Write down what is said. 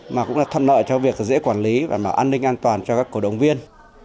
mà cũng là thuận lợi cho việc dễ quản lý và an ninh an toàn cho các cổ động viên